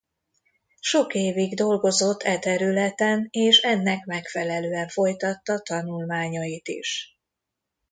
Sok évig dolgozott e területen és ennek megfelelően folytatta tanulmányait is.